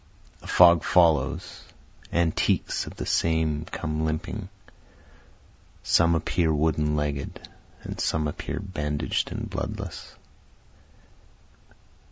A fog follows, antiques of the same come limping, Some appear wooden legged, and some appear bandaged and bloodless.